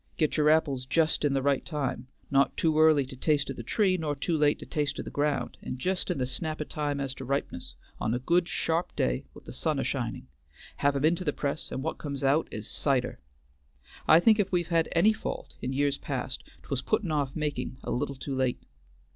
Git your apples just in the right time not too early to taste o' the tree, nor too late to taste o' the ground, and just in the snap o' time as to ripeness', on a good sharp day with the sun a shining; have 'em into the press and what comes out is cider. I think if we've had any fault in years past, 't was puttin' off makin' a little too late.